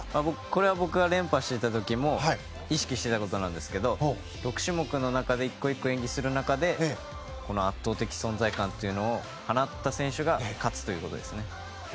これは僕が連覇していた時も意識していたことなんですが６種目の中で１個１個演技する中でこの圧倒的存在感というのを放った選手が勝つということですね。